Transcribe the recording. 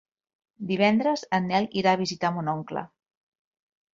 Divendres en Nel irà a visitar mon oncle.